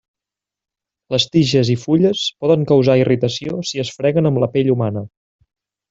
Les tiges i fulles poden causar irritació si es freguen amb la pell humana.